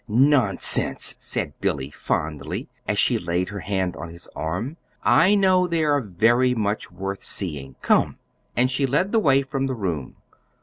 "Nonsense," said Billy, fondly, as she laid her hand on his arm. "I know they are very much worth seeing. Come!" And she led the way from the room.